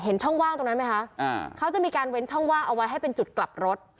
ช่องว่างตรงนั้นไหมคะเขาจะมีการเว้นช่องว่างเอาไว้ให้เป็นจุดกลับรถ